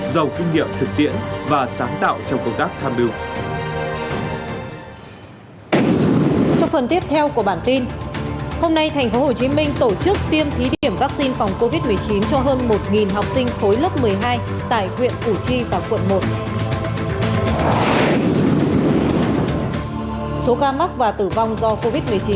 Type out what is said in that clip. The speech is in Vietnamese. giàu kinh nghiệm thực tiện và sáng tạo trong công tác tham mưu